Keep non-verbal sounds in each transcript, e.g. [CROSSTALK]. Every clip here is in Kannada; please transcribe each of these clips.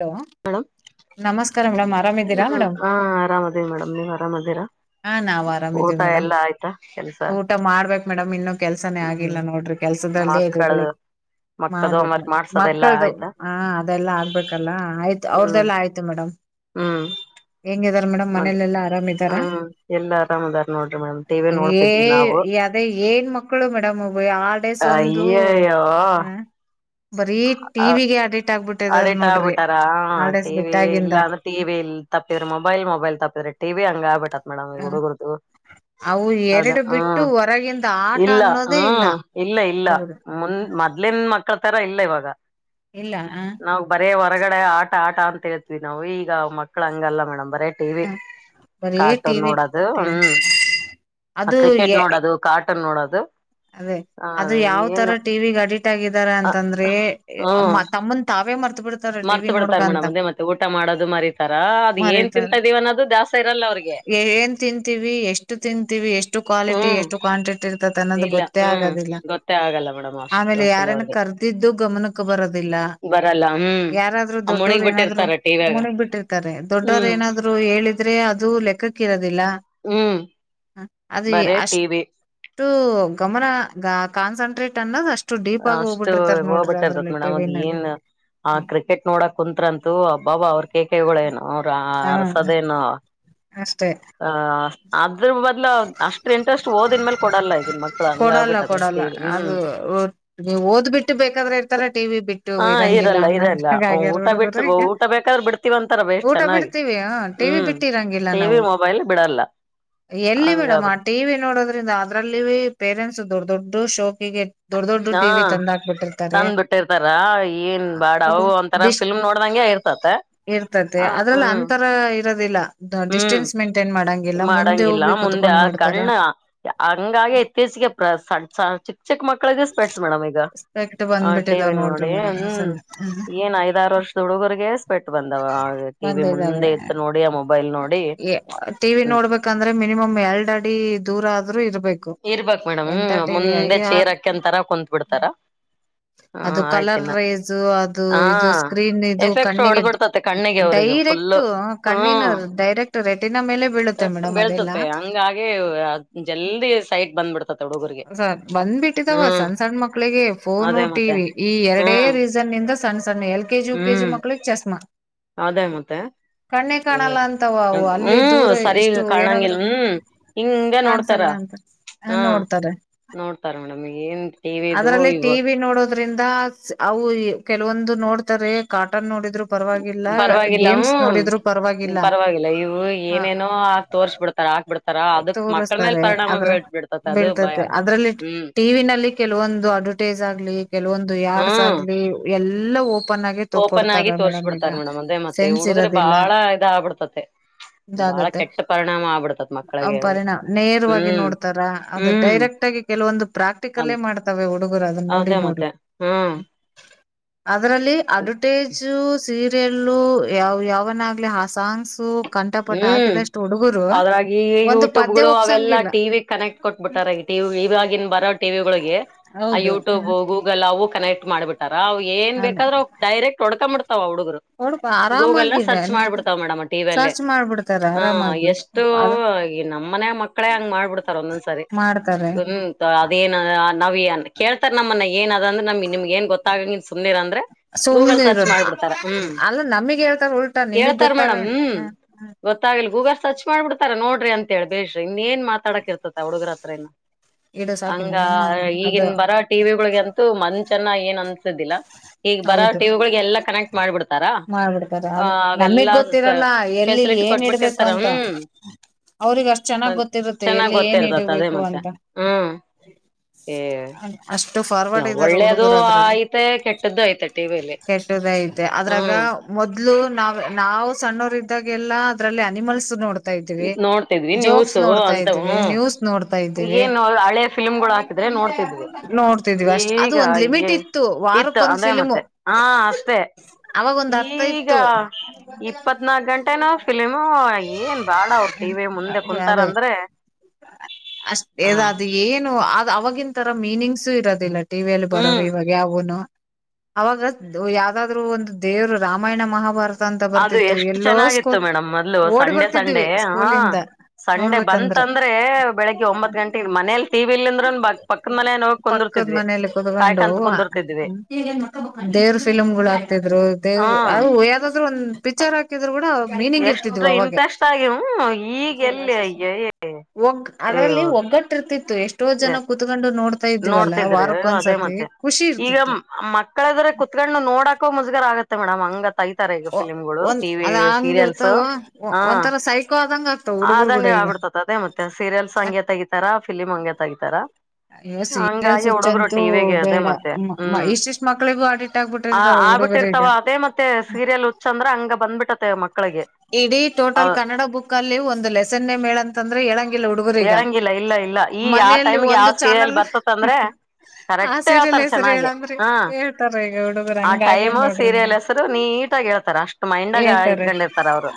ಹಲೋ ಹಲೊ ನಮಸ್ಕಾರ ಮೇಡಮ್ ಆರಾಮಿದ್ದೀರಾ ಹ್ಮ ಮೇಡಮ್ ಹ ಆರಾಮದೀವ್ ಮೇಡಮ್ ನೀವ್ ಆರಾಮದಿರಾ. ಹಾ ನಾವ್ ಊಟ ಆರಾಮಿದೀವಿ ಮೇಡಮಾ ಎಲ್ಲಾ ಆಯ್ತಾ ಕೆಲ್ಸ ಊಟ ಮಾಡ್ಬೇಕ್ ಮೇಡಮ್ ಇನ್ನು ಕೆಲ್ಸನೇ ಹ್ಮ್ ಆಗಿಲ್ಲ ನೋಡ್ರಿ. ಕೆಲ್ಸದಲ್ಲಿ ಇದು ಮಕ್ಕಳದು ಬೆಳಗ್ ಮಕ್ಕಳದು ಮಾಡ್ಬೇಕು ಹೋಮ್ವರ್ಕ್ ಮಾಡ್ಸೋದ ಎಲ್ಲಾ ಮಕ್ಕಳ್ದು ಆಯ್ತಾ ಹ ಅದೆಲ್ಲಾ ಆಗ್ಬೇಕು. [UNINTELLIGIBLE] ಲ್ಲಾ ಆಯ್ತು ಹ್ಮ್ ಅವ್ರದೆಲ್ಲ ಆಯ್ತು ಮೇಡಮ್. ಹ್ಮ್ ಹೆಂಗಿದಾರ ಮೇಡಮ್ ಮನೇಲೆಲ್ಲಾ ಆರಾಮಿದಾರ ಹ್ಮ್ ಎಲ್ಲಾ ಆರಾಮದಾರ್ ನೋಡ್ರಿ ಮೇಡಮ್ ಟಿ ವಿ ನೋಡ್ತಿದ್ವಿ ನಾವು. ಏ ಅದೇ ಏನ್ ಮಕ್ಕಳು ಮೇಡಮ್ಬ್ ಅವು ಯಾ [UNINTELLIGIBLE] ಒಂದು ಅಯ್ಯಯ್ಯೋ ಹ್ಮ ಬರೀ ಟಿ ವಿ ಗೆ ಅಡಿಕ್ಟ್ ಆಗ್ಬಿಟ್ಟ್ ಅಡಿಟ್ ಆಗ್ಬಿಟಾರ ಟಿವಿ ಇಲ್ಲ ಬಿಟ್ಟಾಗಿಂದ ಅಂದ್ರ. ಟಿವಿ ಇಲ್ ತಪ್ಪಿದ್ರೆ ಮೊಬೈಲ್ ಮೊಬೈಲ್ ತಪ್ಪಿದ್ರೆ ಟೀ ವಿ ಹಂಗ ಆಗ್ಬುಟ್ಟತ್ ಮೇಡಮ್ ಹ, ಈಗ ಹುಡುಗುರ್ದು. ಅವು ಅದ ಎರಡು ಬಿಟ್ಟು ಹ್ಮ್ ಹೊರಗಿಂದ ಆಟ ಇಲ್ಲ ಅನ್ನೋದೇ ಇಲ್ಲ ಹ್ಮ್ ಇಲ್ಲ ಇಲ್ಲ ಹುಡುಗರು ಮುಂದ್ ಹ ಮತ್ತ್. [UNINTELLIGIBLE] ಲ್ಲಿನ್ ಮಕ್ಕಳ ತರ ಇಲ್ಲ ಇವಾಗ. ಇಲ್ಲ ಹ ನಾವ್ ಬರೇ ಹೊರಗಡೆ ಆಟ ಆಟ ಅಂತ ಹೇಳ್ತವಿ ನಾವು ಈಗ. ಮಕ್ಳು ಹಂಗಲ್ಲ ಮೇಡಮ್ ಬರೇ ಟಿ ವಿ ಬರೀ ಕಾರ್ಟೂನ್ ಟಿವಿ ನೋಡೋದು ಹ್ಮ್. ಅ ಅದು ಕ್ರಿಕೆಟ್ ನೋಡೋದು ಕಾರ್ಟೂನ್ ನೋಡದು. ಅದೇ ಅದು ಯಾವ್ ತರ ಟಿವಿಗ್ ಅಡಿಟ್ ಆಗಿದಾರ ಅಂತಂದ್ರೆ ಅಮ್ ಹ್ಮ್ ತಮ್ಮುನ್ ತಾವೇ ಮರ್ತ ಬಿಡ್ ಮರ್ತ್ ಬಿಡ್ತಾರೆ ಮೇಡಮ್ ಅದೇ ಮತ್ತೆ ಊಟ ಮಾಡೋದು ಮರಿತಾರ ಅದು ಏನ್ ಮರಿತಾರೆ ತಿಂತ ಇದೀವ ಅನ್ನೋದು ದ್ಯಾಸ ಇರಲ್ಲ ಅವ್ರಿಗೆ. ಏನ್ ತಿಂತೀವಿ ಎಷ್ಟು ತಿಂತೀವಿ ಎಷ್ಟು ಕ್ವಾಲಿಟಿ ಹ್ಮ್ ಎಷ್ಟು ಕ್ವಾಂಟಿಟಿ ಇರ್ತತೆ ಅನ್ನೋದು ಇಲ್ಲ ಗೊತ್ತ್ [UNINTELLIGIBLE] ತ್ತೇ ಹ್ಮ್ ಆಗದಿಲ್ಲ ಗೊತ್ತೇ ಆಗಲ್ಲ ಮೇಡಮ್ ಅಷ್ಟ್ ಆಮೇಲೆ ಅಸಲ ಯಾರನ ಅವ್ರಿಗೆ ಕರ್ದಿದ್ದು ಗಮನಕ್ಕೆ ಬರೋದಿಲ್ಲ. ಬರಲ್ಲ ಹ್ಮ್ ಯಾರಾದ್ರು ಆ ದೊಡ್ಡವರು ಮುಣಗ್ ಏನಾದ್ರು ಬಿಟ್ಟಿರ್ತಾರ ಟಿವ್ಯಾಗ ಮುನಿಗ್ ಬಿಟ್ಟಿರ್ತಾರೆ ದೊಡ್ಡವ್ರ ಹ್ಮ್ ಏನಾದ್ರು. [UNINTELLIGIBLE] ದ್ರು ಹೇಳಿದ್ರೆ ಅದು ಲೆಕ್ಕಕ್ಕ ಇರೋದಿಲ್ಲ. ಹ್ಮ್ ಹ ಅದು ಬರೇ ಅಷ್ಟ್ ಟಿವಿ ಅಷ್ಟು ಗಮನ ಕಾನ್ಸಂಟ್ರೇಟ್ ಅನ್ನೋದು ಅಷ್ಟ್ ಅಷ್ಟು ಹೋಗ್ಬಟ್ಟ ಇರ್ತತ್ ಮೇಡಮ್ ಅದ್ ಟಿವಿನಲ್ಲಿ ಏನ್. ಆ ಹ್ಮ್ ಕ್ರಿಕೆಟ್ ನೋಡಕ್ ಕುಂತ್ತ್ರಂತೂ ಅಬ್ಬಾಬ ಅವ್ರ ಕೇಕೇಗಳೇನು ಅವ್ರ ಹ ಅರಸದೇನು. ಅಷ್ಟೇ ಹ್ಅ ಅದ್ರ ಬದಲು ಅಷ್ಟ್ ಇಂಟ್ರೆಸ್ಟ್ ಓದನ್ ಮೇಲ್ ಕೊಡಲ್ಲ ಇಗಿನ್ ಮಕ್ಳು ಹಂಗ ಆಗ್ಬಿಟ್ಟದೆ ಅ್ರಷ್ಟೇ ಇ ಹ್ಮ್. [UNINTELLIGIBLE] ನೀ ಓದು ಬಿಟ್ಟು ಬೇಕಾದ್ರೆ ಇರ್ತಾರ ಟಿ ವಿ ಬಿಟ್ಟು ಹಾ ಇರಂಗಿಲ್ಲ ಇರಲ್ಲ ಇರಲ್ಲ ಅನ್ನಂಗ ಆಗ್ಯಾರ ಊಟ ಹಡುಗುರು ಬಿಟ್ಟು ಈಗ. ಊಟ ಬೇಕಾದ್ರೆ ಬಿಡ್ತೀವಂತಾರ ಬೇಸ್ ಊಟ ಚೆನ್ನಾಗಿ ಬಿಡ್ತೀವಿ ಟಿವಿ ಹ್ಮ್ ಬಿಟ್ಟಿರಂಗಿಲ್ಲ ಟಿವಿ ನಾವು. ಮೊಬೈಲ್ ಬಿಡಲ್ಲ ಎಲ್ಲಿ ಮೇಡಮ್ ಆ ಹಂಗಬಿಡ್ ಟಿವಿ ನೋಡೋದ್ರಿಂದ ಅದ್ರಲ್ಲಿ ಪೇರೆಂಟ್ಸ್ ದೊಡ್ಡ ದೊಡ್ಡ ಶೋಕಿಗೆ. ದೊಡ್ ದೊಡ್ಡ ಹಾ ಟಿವಿ ತಂದಾಕ್ಬಿಟ್ಟಿರ್ತಾರೆಡು ತಂದ್ ಬಿಟ್ಟಿರ್ತಾರ ಏನ್ ಹುಡುಗ್ರು ದೃಷ್ ತತ ಇರ್ತತಿ ಅದ್ರಲ್ಲಿ ಅಂತರ ಇರೋದಿಲ್ಲ ಹ್ಮ್ ಡಿಸ್ಟೆನ್ಸ್ ಮೇಂಟೈನ್ ಮಾಡಂಗಿಲ್ಲ ಮುಂದೋಗ್ ಮಾಡಂಗಿಲ್ಲ ಮುಂದೆ ಕಣ್ಣ ಹಂಗಾಗ ಇತ್ತೀಚಿಗೆ ಸಡ್ ಸ ಚಿಕ್ಕ ಮಕ್ಳ ದಿಸ್ಪೆಟ್ಸ್ ಮೇಡಮ್ ಈಗ ಸ್ಪೆಕ್ಟ್ ಹ ಟಿವ ಬಂದ್ಬಿಟ್ಟಿದಾವ್ ವಿ ನೋಡ್ರಿ ನೋಡಿ ಮೇಡಮ್ ಹ್ಮ್ ಅಸಲ್ ಏನ್ ಐದಾರು ವರ್ಷದ ಹುಡುಗರ್ಗೆಸ್ಪೆಟ್ಟು ಬಂದವ ಹಾಗ ಟಿ ವಿ ಬಂದಿದಾವೆ ಮುಂದೆ ಇತ್ತು ನೋಡಿ ಆ ಮೊಬೈಲ್ ನೋಡಿ ಟಿವಿ ಹ್ಮ್ ನೋಡ್ಬೇಕಂದ್ರೆ ಮಿನಿಮಮ್ ಎರಡ್ ಅಡಿ ದೂರ ಆದ್ರೂ ಇರ್ಬೇಕು ಇರ್ಬಕ್ ಮೇಡಮ್ ಎಂತ ಹ್ಮ ಟಿವಿ ಮುಂದೆ ಚೇರ್ಾಕಂತರ ಕುತ್ ಬಿಿಡ್ತಾರ ಅದು ಕಲರ್ ರೈಸ್ ಅದು ಹಾ ಇದು ಸ್ಕ್ರೀನ್ ಇದು ಎಫೆಕ್ಟ್ ಕಣ್ಣಿಗೆಡ್ ಹೊಡ್ಬಿಡ್ತತೆ ಕಣ್ಣಿಗೆ ಅವ್ರಿಗೆ ಡೈರೆಕ್ಟ್ ಫುಲ್ಲು ಕಣ್ಣಿನ ಹ್ಮ್ ಡೈರೆಕ್ಟ್ ರೆಟಿನ ಮೇಲೆ ಬೀಳುತ್ತೆ ಮೇಡಮ್ ಅದೆಲ್ಲ ಹಂಗಾಗಿೆ ಜಲ್ದಿ ಸೈಡ್ ಬಂದ್ಬಿಟ್ಟಿದಾವ ಹ್ಮ್ ಸಣ್ಣ ಸಣ್ಣ ಮಕ್ಳಿಗೆ ಫೋನು ಅದೇ ಮತ್ತೆ ಟಿವಿ ಈ ಎರಡೇ ಹ್ಮ್ ರೀಸನ್ನಂದ ಸಣ್ಣ ಸಣ್ಣ ಎಲ್ ಕೆಜಿ ಯು ಕೆಜಿ ಹ್ಮ್ ಮಕ್ಕಳಿಗೆ ಚಸ್ಮಾ ಅದೇ ಮತ್ತೆ ಕಣ್ಣೆ ಏ ಕಾಣಲ್ಲ ಅಂತವ ಅವು ಅಲ್ಲಿ ಹ್ಮ್ ದೂರ ಸರಿ ಇಷ್ಟು ಏನಾದ್ರು ಕಾಣಂಗಿಲ್ಲ ಹ್ಮ್ ಹಿಂಗಿಂಗ ನೋಡ್ತಾರ ಹ ಹಾ ನೋಡ್ತಾರೆ ನೋಡ್ತಾರ ಮೇಡಮ್ ಈಗಏನ್ ಟಿ ಇಿದ ಟಿ ವಿ ನೋಡೋದ್ರಿಂದ ಅವು ಕೆಲವೊಂದು ನೋಡ್ತಾರೆ ಕಾಟನ್ ನೋಡಿದ್ರು ಪರವಾಗಿ [UNINTELLIGIBLE] ಪರವಾಗಿಲ್ಲ ಹ್ಮ್ ಪರವಾಗಿಲ್ಲ ಇವು ಏನೇನೋ ಆ ತೋರ್ಸ್ ಬಿಡ್ತಾರ ಹಾಕ್ ಬಿಡ್ತಾರ [UNINTELLIGIBLE] ಮಕ್ಕಳ ಮೇಲ್ ತೋರ್ಸ್ತಾರೆ ಪರಿಣಾಮ ಅದ್ರ ಬೀಳ್ ಬಿಡ್ತತ್ ಅದು ಭಯ ಬೆಳ್ತತಿ ಅದ್ರಲ್ಲಿ [UNINTELLIGIBLE] ಹ್ಮ್ ಟಿವ ನಲ್ಲಿ ಕೆಲವೊಂದು ಅಡ್ವರ್ಟೈಸ್ ಆಗ್ಲಿ ಕೆಲವೊಂದು ಯಾರ್ಸ್ ಹ್ಮ್ ಆಗ್ಲಿ ಎಲ್ಲ [UNINTELLIGIBLE] ಓಪನ್ ಆಗಿ ಓಪನ್ ಆಗಿ ತಕೊಡ್ತಾರ ತೋರ್ಸ್ ಮೇಡಮ್ ಬಿಡ್ತಾರ ಈಗ ಮೇಡಮ್ ಅದೇ ಮತ್ತೆ ಸೆನ್ಸ್ ಹುಡುಗ್ರ ಇರದಿಲ್ಲ ಬಾಳ [UNINTELLIGIBLE] ಇದ ಆಗ್ಬಿಡ್ತತೆ ಬಾಳ ಗತ್ತೆಗುತ್ತೆ ಕೆಟ್ಟ [UNINTELLIGIBLE] ಪರಿಣಾಮ ಆಬಿಡ್ತಾ [UNINTELLIGIBLE] ಪರಿಣಾಮ ನೇರವಾಗಿ ನೋಡ್ತಾರಾ ಅದು ಹ್ಮ್ ಡೈರೆಕ್ಟ್ ಆಗಿ ಕೆಲವೊಂದು ಪ್ರಾಕ್ [UNINTELLIGIBLE] ಅ ಕಟಿಕಲ್ಲೇ ಮಾಡ್ತವೆ ಹುಡುಗರು ಅದನ್ನ ನೋಡಿ ಅದೇ ನೋಡಿ ಮತ್ತೆ ಹ್ಮ್ ಅದರಲ್ಲಿ ಅಡ್ವಟೇಜು ಸೀರಿಯಲ್ಲು ಯಾವ ಯಾವನಾಗ್ಲಿ ಆ ಸಾಂಗ್ಸು ಕಂಟಪಟ ಹ್ಮ್ ಹಾಕಿದ ಅಷ್ಟು ಹುಡುಗರು ಅದ್ರಾಗ ಈ ಒಂದು ಪದ್ಯ ಯೂಟ್ಯೂಬ್ಗಳು ಅವೆಲ್ಲ ಒಪ್ಸಂಗಿಲ್ಲ ಟಿವಿ ಕನೆಕ್ಟ್ ಕೊಟ್ಬಿಟ್ಟಾರ ಈ ಟಿ ಈವಾಗಿನ್ ಬರೋ ಟಿವಿ ಗಳಿಗೆ ಆ ಹೌದು ಹ ಯೂಟ್ಯೂಬ್ ಗೂಗಲ್ ಅವು ಕನೆಕ್ಟ್ ಮಾಡ್ಬಿಟ್ಟಾರ ಅವ ಏನ್ ಅದೇ ಬೇಕಾದ್ರೂ ಅವ ಡೈರೆಕ್ಟ್ ಹೊಡ್ಕ್ ಬಿಡ್ತವ್ ಹುಡುಗರು ಕೊಡ್ಪ ಗೂಗಲ್ ನ ಆರಾಮಾಗಿರ ಸರ್ಚ್ ನೀಟ್ ಮಾಡಿಬಿಡ್ತವ್ ಮೇಡಮ್ ಟಿಿಯಲ್ಲಿ ಸರ್ಚ್ ಮಾಡ್ಬಿಡ್ತಾರ ಹ ಆರಾಮಾಗಿ ಎಷ್ಟು ಅದು ಈ ನಮ್ಮನೆ ಮಕ್ಕಳೇ ಹಂಗ್ ಮಾಡ್ಬಿಡ್ತಾರ ಒಂದೊಂದ್ಸರಿ ಮಾಡ್ತಾರೆ ಹ [UNINTELLIGIBLE] ಅದೇನ್ ನಾವ್ಏನ್ ಕೇಳ್ತಾರ ನಮ್ಮನ ಏನ ಅದ ಅ್ರ ನಮ ನಿಮ್ಗೆ ಏನ್ ಗೊತ್ತಾಗಲ್ಲ ಸುಮ್ನೆರ್ ಅ್ರ [UNINTELLIGIBLE] ಗೂಗಲ್ ಸುಮ್ನೆ ಇರು ಸರ್ಚ್ ಮಾಡ್ಬಿಡ್ತಾರ ಹ್ಮ್ ಅಲ್ಲ ನಮಗ್ ಹೇಳ್ತಾರ ಉಲ್ಟಾ ನಿಮಗ್ ಹೇಳ್ತಾರ ಗೊತ್ತಾಗ ಮೇಡಮ್ ಹ್ಮ್ [UNINTELLIGIBLE] ಹ್ಮ್ ಗೊತ್ತಾಗಲಿ ಗೂಗಲ್ ಸರ್ಚ್ ಮಾಡ್ಬಿಡ್ತಾರೆ ನೋಡ್ರಿ ಅಂತ ಹೇಳಿ ಬೇಶು ಇನ್ನ ಏನ್ ಮಾತಾಡಕ್ ಇರ್ತತೆ ಹುಡುಗುರತ್ರ ಇ [UNINTELLIGIBLE] [INAUDIBLE] ಸಾಕಿನ ಹಂಗ ಹ್ಮ್ ಅದು ಈಗಿನ್ ಬರ ಟಿವಿಗುಳಿಗಂತೂ ಮನ್ಚನ ಏನ್ ಅನ್ಸುದಿಲ್ಲ [UNINTELLIGIBLE] ಈಗ ಬರ ಹೌದು ಟಿವಿಗಳಿಗೆ ಎಲ್ಲ ಕನೆಕ್ಟ್ ಮಾಡಿಬಿಡ್ತಾರಾ ಮಾಡ್ಬಿಡ್ತಾರೆ ಅ ಅದು ನಮಗ್ ಅವೆಲ್ಲಾ ಗೊತ್ತಿರಲ್ಲ ಎಲ್ಲಿ ಫೆಸಿಲಿಟಿ [UNINTELLIGIBLE] ಏನ್ ಇಡ್ಬೇಕು ಕೊಟ್ಬಿಟ್ಟಿರ್ತಾರ ಅಂತ ಹ್ಮ್ [UNINTELLIGIBLE] ಅವ್ರಿಗ್ ಅಷ್ಟ್ ಚೆನ್ನಾಗ್ ಅದ ಗೊತ್ತಿರುತ್ತೆ ಚೆನ್ನಾಗ್ ಎಲ್ಲಿ ಗೊತ್ತಿ ಏನ್ ಇರ್ತತ್ ಅದೇ ಇಡಬೇಕು ಮತ್ತೆ ಅಂತ ಹ್ಮ್ [UNINTELLIGIBLE] ಏ [UNINTELLIGIBLE] ಅಷ್ಟು ಫಾರ್ವರ್ಡ್ ಇದ್ದಾರೆ ಹುಡುಗರು ಅದರಲ್ಲಿ [UNINTELLIGIBLE] ಮತ್ತ ಕೆಟ್ಟದ್ದಯ್ತಟ್ಟೆ [UNINTELLIGIBLE] ಕೆಟ್ಟದಐತೆ ಅದ್ರಾಗ [UNINTELLIGIBLE] ಮೊದ್ಲು ನಾವ್ ನಾವು ಸಣ್ಣವರ ಇದ್ದಾಗೆಲ್ಲಾ ಅದ್ರಲ್ಲಿ ಅನಿಮಲ್ಸ್ ನೋಡತ [UNINTELLIGIBLE] ಇದವಿ ನೋಡ್ತಿದ್ವಿ ಜೋಕ್ಸ್ ನ್ಯೂಸು ನೋಡ್ತಾ ಅಂತ ಇದ್ದೀವಿ ಹ್ಮ್ ನ್ಯೂಸ್ ನೋಡ್ತಾ ಇದ್ದೀವಿ ಏನು ಹಳೆ ಫಿಲ್ಮ್ಗಳು ಹಾಕಿದ್ರೆ ನೋಡ್ತಿದ್ವಿ [UNINTELLIGIBLE] ನೋಡ್ತಿದೀವಿ ಅಷ್ಟ್ ಅದು ಒಂದ್ ಲಿಮಿಟ್ ಇತ್ತು ವಾರಕ್ಕೊಂದ್ ಸತಿ ಮತ್ತೆ ಮತ್ತೆ ಹಾ ಅಷ್ಟೇ ಅವಾಗೊಂದ್ ಅರ್ಥ ಈಗ ಇತ್ತು ಇಪ್ಪತ್ನಾಕ್ ಗಂಟೆನ ಫಿಲಿಮ್ ಏನ್ ಕಾಳ ಅವರು ಟಿವ ವಿ ಮುಂದೆ ಕುಂತಾರ ಅದೇ ಅಂದ್ರೆ ಅಷ್ಟ ಇದ ಹ ಅದು ಏನು ಅ್ ಅವವಾಗಿನ ತರ ಮೀನಿಂಗ್ಸು ಇರೋದಿಲ್ಲ ಟಿವಿಯಲ್ಲಿ ಬರವ ಹ್ಮ್ ಇವಾಗ ಯಾವುನು ಅವಾಗ ಯಾವ್ದಾದ್ರು ಒಂದು ದೇವ್ರು ರಾಮಾಯಣ ಮಹಾಭಾರತ ಅಂತ ಅದು ಬರ್ತಿತ್ತು ಎಷ್ಟು ಎಲ್ಲೋ ಚೆನ್ನಾಗಿತ್ತು ಸ್ಕೂಲ್ ಮೇಡಮ್ ಮೊದ್ಲು ಓಡಿ ಸಂಡೆ ಬರ್ತಿದ್ವಿ ಸಂಡೆ ಹಾ ಸ್ಕೂಲಿಂದ ಸಂಡೆ ಬಂತ ನೋಡ್ಬೇಕಂದ್ರೆ ಅಂದ್ರೆ ಬೆಳಿಗ್ಗೆ ಒಂಬತ್ ಗಂಟೆ ಮನೇಲಿ ತೀವಿ ಇಲ್ಂದ್ರನ್ ಬ ಪಕ್ಕ ಪಕ್ಕದ್ ಮನೆಲ್ ಹೋಗಿ ಪಕ್ಕದ ಕುಂದಿರ್ತಿದ್ವಿ ಮನೇಲಿ ಕಾಯ್ ಕುತ್ಕೊಂಡು ಕಂತ ಕುಂದಿರ್ತಿದ್ವಿ ದೇವ್ರ ಫಿಲ್ ಗಳು ಆಗ್ತಿದ್ರು ಹ್ಮ ದೇವ್ರ ಅದು ಯಾವ್ದಾದ್ರು ಒಂದು ಪಿಚರ್ ಹಾಕಿದ್ರು ಕೂಡ ಮೀನಿಂಗ್ ಎಷ್ಟು ಇರ್ತಿದ್ವು ಅವಾಗ ಇಂಟ್ರೆಸ್ಟ್ ಆಗವು ಈಗೆ ಎಲ್ಲಿ ಅಯ್ಯ ಒಗ್ ಅದರಲ್ಲಿ ಒಗ್ಗಟ್ಟ ಇರ್ತಿತ್ತು ಎಷ್ಟೋ ಜನ ಕುೂತ್ಕೊಂಡು ನೋಡ್ ತ ಇದವಲ್ಲ ನೋಡ್ತಿದ್ರಿ ವಾರಕ್ಕ ಒಂದ್ಸತಿ ಖುಷಿ ಇರ್ತಿತ್ತು ಮಕ್ಕಳೆದ್ರೆ ಕುತ್ಕೊಂಡ್ ನೋಡಾಕೋ ಮುಜ್ಗಾರ್ ಆಗತ್ತೆ ಮೇಡಮ್ ಹಂಗತ್ ತೈತಾರೆ ಈಗ ಫಿಲ್ಮ್ಗಳು ಒಂದ್ ಟಿವಿ ಅದ ಹಂಗ ಸೀರಿಯಲ್ಸ್ ಇರ್ತಾವ ಹ ಒಂಥರ ಸೈಕೋ ಆದಂಗ ಆಗ್ತಾವ ಹುಡುಗರು ಕೂಡ ಆದಂಗೆ ಈಗ ಆಬಿಡ್ತ ಅದೇ ಮತ್ತೆ ಸೀರಿಯಲ್ಸ್ ಹಂಗಗೆ ತಗಿತಾರ ಫಿಲಿಮ್ ಅಂಗಗೆ ತಗಿತಾರ ಅಯ್ಯೋ ಸೀರಿಯಲ್ ಹಂಗಾಗಿೆ ಹುಚ್ಚ ಹುಡುಗರು ಅಂತೂ ಟಿವ ವಿಿಗೆ ಅದೇ ಬೇಡ ಮತ್ತೆ ಹ್ಮ್ ಇಷ್ಟಿಷ್ಟ ಮಕ್ಳಿಗೂ ಅಡಿಟ್ ಆ ಆಗ್ಬಿಟ್ಟಿರ್ತಾವ ಹುಡುಗರು ಆಗ್ಬಿಟ್ಟಿರ್ತಾವ ಈಗ ಅದೇ ಮತ್ತೆ ಸೀರಿಯಲ್ ಹುಚ್ಚ ಅಂದ್ರ ಹಂಗ ಬಂದ್ಬಿಟ್ಟತೆ ಮಕ್ಳಿಗೆ ಇಡೀ ಟೋಟಲ್ ಅವ್ ಕನ್ನಡ ಬುಕ್ ಅಲ್ಲಿ ಒಂದು ಲೆಸನ್ೇ ಮೇಳ ಅಂತಂದ್ರೆ ಹೇಳಳಂಗಿಲ್ಲ ಹುಡುಗರಗ. ಹೇಳಂಗಿಲ್ಲ ಇಲ್ಲ ಇಲ್ಲ ಈ ಯಾವ ಟೈಮಗೆ ಯಾವ್ ಸೀರಿಯಲ್ ಬರ್ತತ್ ಅಂದ್ರೆ. ಆ ಕರೆಕ್ಟ್ ಹೇಳ್ತಾರ ಸೀರಿಯಲ್ ಹೆಸರು ಚೆನ್ನಾಗೆ ಹೇಳಂದ್ರಿ ಹಾ ಹೇಳ್ತಾರ ಈಗ ಹುಡುಗರು ಆ ಹಂಗ ಆಗ್ಯಾರ ಟೈಮು ನೋಡ್ರಿ ಸೀರಿಯಲ್ ಮೇಡಮ್ ಹೆಸರು ನೀಟಾಗಿ ಹೇಳ್ತಾರ. ಇತಾರ ಅಷ್ಟು ಮೈಂಡ್ ಆಗ ಹೇಳ್ತಾರೆ ಇತ್ಕೊಂಡಿರ್ತ ಅವರು.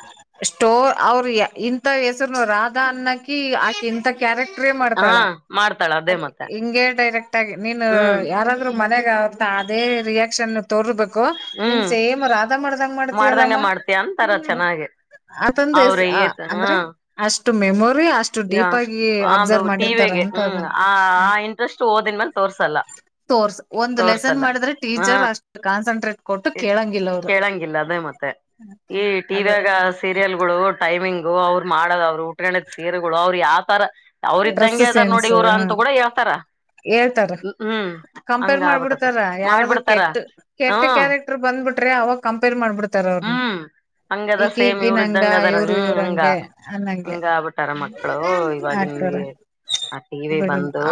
ಸ್ಟೋರ್ ಅವ್ರ ಇಂಥ ಹೆಸರುನು ರಾಧಾ ಅನ್ನಕಿ ಆಕಿ ಇಂಥಕ್ಕಿ. ಕ್ಯಕ್ಟ ಹಾ ಮಾಡ್ತಾಳ ಮಾಡ್ತಾಳ ಅದೇ [UNINTELLIGIBLE] ಮತ್ತೆ ಹಿಗೆ ಡೈರೆಕ್ಟ್ ಆಗಿ ನೀ ಹ್ಮ್ ಯ. ರು ಮನೆಯಾಗ ಆತ್ತ ಅದೇ ರಿಯಾಕ್ಷನ್ ತೋರ್ಬೇಕು. ನಿನ್ ಹ್ಮ್ ಸೇಮ್ ರಾಧಾ ಮಾಡ್ದಂಗ್ ಮಾಡ್ದಂಗ ಮಾಡ್ತವಲ್ಲಮ್ಮ. ಮಾಡ್ತೀಯ ಅಂತಾರ ಚೆನ್ನಾಗಿ ಅದಂದ ಅವ್ರ ಅಂದ್ರೆ ಅಷ್ಟು ಮೆಮೊರಿ ಅಷ್ಟ ಯ ಅದು ಟಿವಗೆ ಹ್ಮ್ ಅದನ್ನ ಆ ಆ ಇಂಟ್ರೆಸ್ಟ್ ಓದಿದ ಮೇಲ್ ತೋರ್ಸಲ್ಲ ಸೋರ್ಸ್ ಒಂದು ಲೆಸನ್ ತೋರ್ಸಲ್ಲ ಮಾಡಿದ್ರೆ ಹ ಟೀಚರ್ ಅಷ್ಟು ಕಾನ್ಸಂಟ್ರೇಟ್ ಕೊಟ್ಟು ಕೇಳಂಗಿಲ್ಲ ಅವ್ರು ಕೇಳಂಗಿಲ್ಲ ಅದೇ ಮತ್ತೆ ಈ ಅದು ಟಿವಿಯಾಗ ಸೀರಿಯಲ್ ಗಳು ಟೈಮಿಂಗು ಅವ್ರು ಮಾಡದ ಅವ್ರರು ಉಟ್ಕ ಸೀರೆಗಳು ಅವ್ರು ಯಾವ್ತರ ಅವ್ರ ಡ್ರೆಸ್ ಇದಂಗೆ ಅದಾರ ನೋಡಿ ಸೆನ್ಸ್ ಇವರು ಅಂತ ಕೂಡ ಹೇಳ್ತಾರ ಹೇಳ್ತಾರ ಹ್ಮ್ ಕಂಪೇರ್ ಹಂಗ ಆಗ್ಬಿಟ್ಟದ ಮಾಡ್ಬಿಡ್ತಾರ ಯಾರಾದ್ರೂ ಮಾಡ್ಬಿಡ್ತಾರ ಕೆಟ್ಟ ಕೆಟ್ಟ ಹ್ಮ್ ಕ್ಯಾರೆಕ್ಟ್ ಬಂದ್ಬಿಟ್ರಿ ಅವಾಗ ಕಂಪೇರ್ ಮಾಡ್ಬಿಡ್ತಾರ ಅವ್ರನ್ನ ಹಂಗ ಅದಾರ ಈಕಿ ಸೇಮ್ ಇವ್ರ ಈಕಿನ ಹಂಗ ಇದ್ದಂಗ ಅದಾರ ಇವ್ರು ಹ್ಮ್ ಇವ್ರ ಹಂಗ ಹಂಗೆ ಅನ್ನಂಗೆ ಹಂಗ ಆಬಿಟಾರ ಮಕ್ಕ. ಮಕ್ಕಳು ಇವಾಗಿ ಆಗ್ತಾರ ನಿನ್ಗೆ ಆ ಟಿ ವಿ ಬಂದು.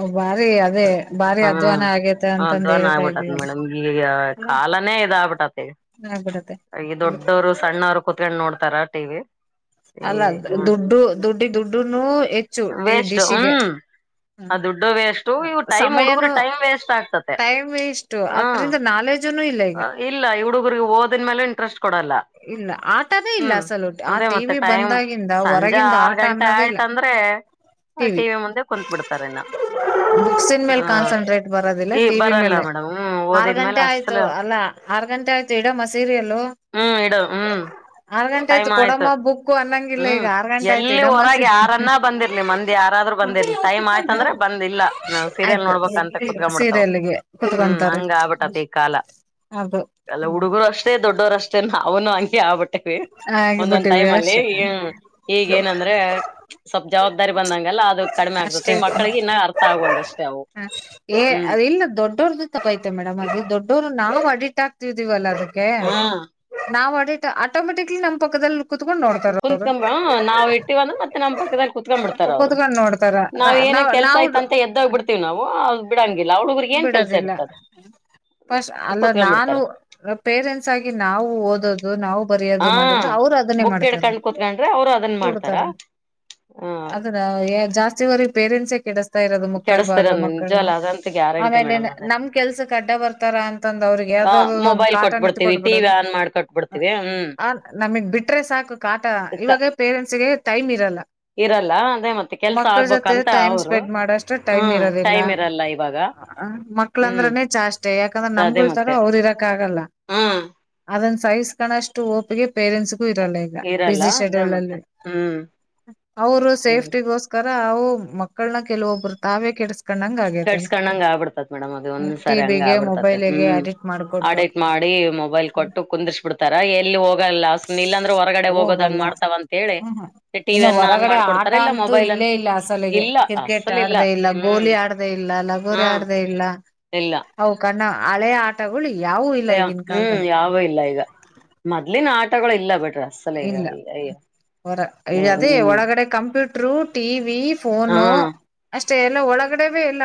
ಅವರ ಬಾರಿ. ಅದೇ ಬಾರಿ ಹ್ಮ್ ಅಧ್ವಾನ ಆಗೇತೆ ಅಂತಂದ ಅದ್ವನ್ ಹೇಳ್ತಾ ಆಗ್ಬಿಟ್ಟತ್ ಇದೀವಲ್ಲ ಮೇಡಮ್ ಈಗ ಕಾಲಾನೇ ಇದಾಗಬಿಟತಿ ಈಗ. ಆಗ್ಬಿಡತ್ತೆ ಈ ದೊಡ್ಡವ್ರು ಸಣ್ಣವರು ಕುೂತ್ಕೊಂಡು ನೋಡ್ತಾರ ಟಿ ವಿ. ಅಲ್ಲ ದುಡ್ಡು ದುಡ್ಡಿ ದುಡ್ಡನು ಹೆಚ್ಚು ಟ ವೇಸ್ಟ್ ಡಿಶಿಗೆ. ಹ್ಮ್ ಆ ದುಡ್ಡುವೇಷ್ಟು. ್ ಸಮಯನು ಹುಡುಗ ್ ವೇ [UNINTELLIGIBLE] ಟೈಮ್ ಇಷ್ಟು ಆ ಅದ್ರಿಂದ ನಾಲೆಜನು ಇಲ್ಲ ಈಗ ಹ. ಇಲ್ಲ ಹುಡುಗರಿಗೆ ಓದನ್ ಮೇಲೆ ಇಂಟ್ರೆಸ್ಟ್ ಕೊಡಲ್ಲ. ಇಲ್ಲ ಆಟನೇ ಇಲ್ಲ ಹ್ಮ್ ಅಸಲು ಆ ಅದೇ ಮತ್ತೆ ಟಿವಿ ಟೈಮ್ ಬಂದಾಗಿಂದ ಸಂಜೆ ಹೊರಗಿಂದ ಆರ್ ಆಟ ಗಂಟೆ ಅನ್ನೋದೇ ಇಲ್ಲ ಆಯ್ತಂದ್ರೆ. ಟಿವಿ ಮುಂದೆ ಕುಂತ್ ಬಿಡ್ತಾರೆನೋ. ಬುಕ್ಸನ್ ಮೇಲೆ ಕಾನ್ಸಂಟ್ರೇಟ್ ಬರೋದಿಲ್ಲ ಈ ಟಿ ವಿ ಬರಲ್ಲ ಮೇಲೆ. ಮೇಡಮ್ ಹ್ಮ್ ಆರ್ ಓದಿದ್ಮೇಲೆ ಗಂಟೆ ಆಯ್ತು ಅಸಲು ಅಲ್ಲಾ ಆರ್ ಗಂಟೆ ಆಯ್ತು ಇಡಮ್ಮ ಸೀರಿಯಲ್ಲ. ಹ್ಮ್ ಇಡೋ. ಆರ್ ಗಂಟೆ ಆಯ್ತು ಕೊಡಮ್ಮ ಬುಕ್. ಹ್ಮ್ ಎಲ್ಲಿ ಹೊರಗೆ ಯಾರನ್ನ ಬಂದಿರ್ಲಿ ಮಂದಿ ಯಾರಾದ್ರರು ಬಂದಿರ್ಲಿ ಟೈಮ್ ಆಯ್ತಂದ್ರೆ ಬಂದಿಲ್ಲ ನಾವು ಸೀರಿಯಲ್ ಆಯ್ತು ನೋಡ್ಬ ಅಂತ ಕುೂತ್ಕ್ಬಿಡ್ತಾವ್ ಸೀರಿಯಲ್ಗೆ ಹ್ಮ್ ಕುತ್ಕೊಂತಾರೆ ಹಂಗ ಆಗ್ಬಿಟ್ಟತಿ ಈ ಕಾಲ. ಅದು ಎಲ್ಲ ಹುಡುಗರು ಅಷ್ಟೇ ದೊಡ್ಡೋರು ಅಷ್ಟೇ ನವುನು ಅಂಕಗೆ ಆಗ್ಬೇಕು. ಒಂದೊಂದ್ ಆಗಿಬಿಟ್ಟಿವಿ ಟೈಮ್ ಅಲ್ಲಿ ಅಷ್ಟೆ ಹ್ಮ ಈಗ ಏನಂದ್ರೆ ಸ್ವಲ್ಪ್ ಜವಾಬ್ದಾರಿ ಬಂದಂಗಲ್ಲ ಅದು ಕಡಿಮೆ ಆಗ್ತತಿ ಮಕ್ಕಳಿಗೆ ಇನ್ನ ಅರ್ಥ ಆಗಲ್ದ ಅಷ್ಟೇ ಅವು. ಹ ಏ ಹ್ಮ್ ಅದು ಇಲ್ಲ ದೊಡ್ಡವ್ರ್ದು ತಪ್ಪ್ ಆಯ್ತು ಮೇಡಮ್ ಅದು ದೊಡ್ಡೋರು ನಾವು ಅಡ್ಡಿಕ್ಟ್ ಆಗ್ತಿದಿವಲ್ಲ ಅದಕ್ಕೆ. ಹಾ ನಾವ್ ಆಡಿಟು ಆಟೋ ಮೇಟಿಕಲಿ ನಮ್ಮ್ ಪಕ್ಕದಲ್. ಕುತ್ಕೊಂದು ನಾವ್ ಇಟ್ಟಿವಂದ ಮತ್ತೆ ನಮ್ಮ ಪಕ್ಕದಾಗ ಕುತ್ಕೊ ಬಿಡ್ತಾರ ಅವ್ರು ಕುತ್ಕೊಂಡ್ ನೋಡ್ತಾರ ನಾವ್ ಏನ ಕೆಲ್ಸ ಇತ್ತಂತ ಎದ್ದಾಗ್ಬಿಡ್ತೀವಿ ನಾವು ಬಿಡಂಗಿಲ್ಲ ಅ ಹುಡಗುರುಗೆ ಏನ್ ಕೆಲ್ಸ ಬಿಡೋದಿಲ್ಲ ಇರ್ತದೆ ಫಸ್ಟ್ ಅಲ್ಲ ಕೂತ್ಕೊಂಡ್ಬ ನಾನು ಬಿಡ್ತಾರ. ಪೇರೆಂಟ್ಸ್ ಆಗಿ ನಾವು ಓದೋದು. ನಾವು ಬರೆಯೋದು ಮಾಡಿದ್ರೆ ಹ್ಮ್ ಅವ್ರು ಅದನ್ನೇ ಬುಕ್ ಮಾಡ್ತಾರ ಹಿಡ್ಕಂಡ್ ಕುತ್ಕೊಂಡ್ರೆ ಅವರು ಅದನ್ ಮಾಡ್ತಾರ ಹ್ಮ್ ಜಾಸ್ತಿವರೆಗ ಪೇರೆಂಟ್ಸೇ ಕೆಡಿಸ್ತಾ ಇರೋದು ಮುಕ್ಕಾಲ್ ಕೆಡಸ್ತಾರ ಭಾಗ ಮಕ್ಕಳ ನಿಜವಲ್ಲ ಅದಂತ ಗ್ಯಾರಂಟಿ ಆಮೇಲೆ ಮೇಡಮ್ ಅದ ನಮ್ ಕೆಲ್ಸಕ್ಕೆ ಅಡ್ಡ ಬರ್ತಾರ ಅಂತಂದಂದು ಅವ್ರಿಗೆ ಆ ಯಾವ್ದ ಒಂದು ಮೊಬೈಲ್ ಕಾಟನ್ ಕೊಟ್ಬಿಡ್ತೀವಿ ಟಿವಿ ಕೊಟ್ಬಿಡೋದು ಆನ್ ಮಾಡ್ ಕೊಟ್ಬಿಡ್ತೀವಿ ಹ್ಮ್ ಆ ನಮಗ್ ಬಿಟ್ರೆ ಸಾಕು ಕಾಟ ಇವಾಗ ಪೇರೆಂಟ್ಸ್ ಗೆ ಟೈಮ್ ಇರಲ್ಲ ಇರಲ್ಲ ಅದೇ ಮತ್ತೆ ಕೆಲ್ಸ ಮಕ್ಕಳ ಜೊತೆ ಆಗ್ಬೇಕಂತ ಟೈಮ್ ಅವರು ಸ್ಪೆಂಡ್ ಮಾಡಷ್ಟು ಟೈಮ್ ಹ್ಮ್ ಇರೋದ ಟೈಮ್ ಇರಲ್ಲ ಇವಾಗ ಹ್ಮ್ ಮಕ್ಳಂದ್ರನೇ ಚಾಷ್ಟೆ ಯಾಕಂದ್ರೆ ಅದೇ ನಮ್ಗುಳ್ತರ ಮತ್ತೆ ಅವ್ರ ಇರಕ್ ಆಗಲ್ಲ ಹ್ಮ್ ಅದನ್ ಸೈಸ್ ಕಣಷ್ಟು ಹೋಪ್ಗೆ ಪೇರೆಂಟ್ಸ್ಗು ಇರಲ್ಲ ಈಗ ಇರಲ್ಲ [UNINTELLIGIBLE] ಅದೇ ಶಡ್ಯೂಲ್ ಮತ್ತೆ ಅಲ್ಲಿ ಹ್ಮ್ ಅವರು ಹ್ಮ್ ಸೇಫ್ಟಿ ಗೋಸ್ಕರ ತರ ನಾವು ಅವು ಮಕ್ಕಳನ ಕೆಲವೊಬ್ಬರು ತಾವೇ ಕೆಡಸಿ ಕರ್ಸ್ಕೊಂಡಂಗ ಆಗ್ಬಿಡ್ತತಿ ಮೇಡಮ್ ಅದು ಒಂದ್ ಸಾರಿ ಹಂಗ ಟಿವಿಗೆ ಆಗ್ಬಿಡ್ತತ್ ಮೊಬೈಲ್ಗೆ ಹ್ಮ್ ಅಡಿಕ್ಟ್ ಆಡ ಮಾಡ್ಕೊಟ್ಟು ಮಾಡಿ ಮೊಬೈಲ್ ಕೊಟ್ಟು ಕುಂದರ್ರಿಸ್ಬಿಡ್ತಾರ ಏನ್. ಇಲ್ಲಿ ಹೋಗಲ್ಲ ಸುಮ್ ಇಲ್ಲಾಂದ್ರೆ ಹೊರಗಡೆ ಹೋಗೋದಂಗ್ ಹೋಗಲ್ಲ ಮಾಡ್ತಾವ ಅಂತೇಳಿ ಹ್ಮ್ ಇನ್ನು ಟಿವಿಯನ್ನ ಆನ್ ಹೊರಗಡೆ ಮಾಡ್ಕೊಡ್ತ ಅಂತೂ ಇಲ್ಲೇ ಇಲ್ಲ ಅಸಲಿಗೆ ಕ್ರಿಕೆಟ್ ಅಸಲ್ ಆಡದೆ ಇಲ್ಲ ಹ್ಮ್ ಗೋಲಿ ಆಡ್. ಇಲ್ಲ ಲಗೋರಿ ಹಾ ಆಡದೆ ಇಲ್ಲ ಇಲ್ಲ ಅವು ಕಣ್ಣು ಹಳೆ ಆಟಗಳು ಯಾವುದು. ಅಯ್ಯೋ ಹ್ಮ್ ಯಾವೂ ಇಲ್ಲ ಈಗ ಮೊದ್ಲಿನ ಆಟಗಳು ಇಲ್ಲ ಬಟ್ರಸ್ ಇಲ್ಲ ಹೊರ ಅದೇ ಹ್ಮ್ ಒಳಗಡೆ ಕಂಪ್ಯೂಟ್. ಟ್ರು ಟಿವಿ ಹಾ ಫೋನು ಅಷ್ಟೇ ಎಲ್ಲ ಒಳಗಡೆವೆ ಎಲ್ಲ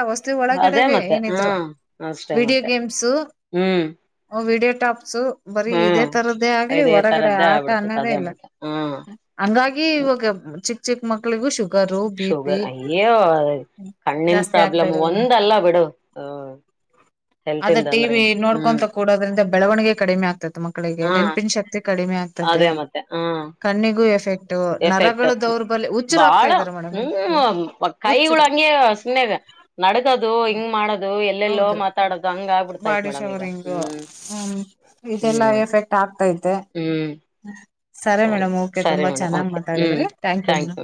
ಅದೇ ಒಳಗಡೆವೇ ಮತ್ತೆ ಏನಿದ್ರು ಹ್ಮ್ ಅಷ್ಟೇ ವಿಡಿಯೋ ಮತ್ತೆ ಗೇಮ್ಸು ಹ್ಮ್ ವಿಡಿಯೋ ಟಾಪ್ಸು ಬರೀ ಇದೇ ಹ್ಮ್ ತರದ್ದೇ ಆಗ್ಲಿ ಇದೇ ಹೊರಗಡೆ ತರದ್ದೇ ಆ ಆಗ್ಬಿಡ್ತತ್ ಅನ್ನೋದೇ ಅದೇ ಇಲ್ಲ ಮತ್ತೆ ಹ್ಮ್ ಹಂಗಾಗಿ ಇವಾಗ ಚಿಕ್ಕ ಚಿಕ್ಕ ಮಕ್ಳಿಗೂ ಶು ಶುಗರ್ ಅಯ್ಯೋ ಕಣ್ಣಿನ ಜಾಸ್ತಿ ಆಗ್ತಾ ಪ್ರಾಬ್ಲಮ್ ಇರೋದು ಒಂದ್ ಅಲ್ಲ ಬಿಡು ಹಾಂ ಆದ ಟಿವಿ ನೋಡ್ಕೊಂತ ಕೂಡೋದ್ರಿಂದ ಬೆಳವಣಿಗೆ ಕಡಿಮೆ ಆಗ್ತತೆ ಹ ಮಕ್ಕಳಿಗೆ ನೆನ್ಪಿನ ಶಕ್ತಿ ಕಡಿಮೆ ಆಗ್ತ ಅದೇ ಮತ್ತೆ ಹಾ ಕಣ್ಣಿಗೂ ಎಫೆಕ್ಟ್ ಎಫೆಕ್ಟ್ ನರಗಳು ದೌರ್ಬಲ್ಯ ಹುಚ್ಚರು ಆಗ್ತಾ ಬಾಳ ಇದ್ದಾರೆ ಮೇಡಮ್ ಹ್ಮ್ ಕೈಗಳು ಹುಚ್ಚರು ಹಂಗಗೆ ಸುಮ್ಮನೆ ನಡಗದು ಹಿಂಗ್ ಮಾಡದು ದು ಎಲ್ಲೆಲ್ಲೋ ಹೌದು ಮಾತಾಡೋದು ಹಂಗ ಆ ಬಿಡ್ತಾೈತ್ ಬಾಡಿ ಮೇಡಮ್ ಈಗ ಶವರಿಂಗು ಹ್ಮ್ ಹ್ಮ್ ಆತೈತೆ ಹ್ಮ್ ಸರಿ ಮೇಡ್ ಓಕೆ ಸರಿ ತುಂಬಾ ಮೇಡಮ್ ಚೆನ್ನಾಗ್ ಓಕೆ ಹ್ಮ್ ಮಾತಾಡಿದ್ರಿ ಥ್ಯಾಂಕ್ ಯು ಮೇಡಂ